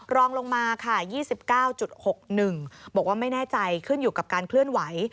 รองลงมาค่ะ๒๙๖๑บอกว่าไม่แน่ใจขึ้นอยู่กับการเคลื่อนไหว